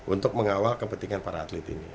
untuk mengawal kepentingan para atlet ini